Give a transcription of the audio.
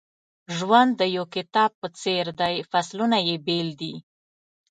ژوند د یو کتاب په څېر دی فصلونه یې بېل دي.